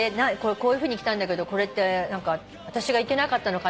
こういうふうに来たんだけど私がいけなかったのかな？